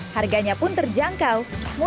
harganya pun terjangkau